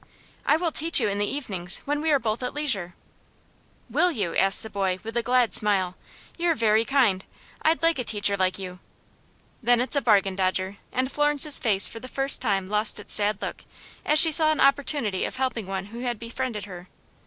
"I will teach you in the evenings, when we are both at leisure." "Will you?" asked the boy, with a glad smile. "You're very kind I'd like a teacher like you." "Then it's a bargain, Dodger," and Florence's face for the first time lost its sad look, as she saw an opportunity of helping one who had befriended her.